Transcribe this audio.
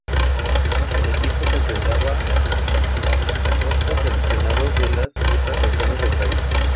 El equipo se enfrentaba a otros seleccionados de las otras regiones del país.